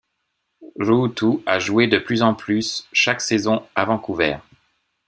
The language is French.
Ruutu a joué de plus en plus chaque saison à Vancouver.